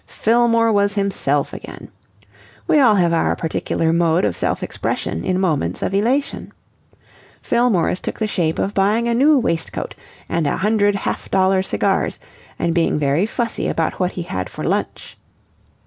Fillmore was himself again. We all have our particular mode of self expression in moments of elation. Fillmore's took the shape of buying a new waistcoat and a hundred half dollar cigars and being very fussy about what he had for lunch.